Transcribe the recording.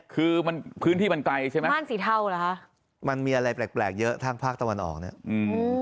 คือมันพื้นที่มันไกลใช่ไหมบ้านสีเทาเหรอคะมันมีอะไรแปลกแปลกเยอะทางภาคตะวันออกเนี่ยอืม